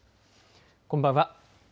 こんばんは。